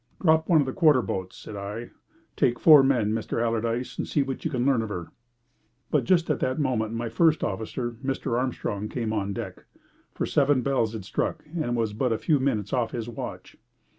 "Drop one of the quarter boats," said I. "Take four men, Mr. Allardyce, and see what you can learn of her." But just at that moment my first officer, Mr. Armstrong, came on deck, for seven bells had struck, and it was but a few minutes off his watch.